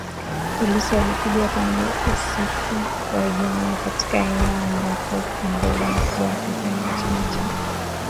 Polisi walipiga kambi usiku wa Ijumaa katika eneo ambako kiongozi mkuu wa upinzani wa chama cha Nelson Chamisa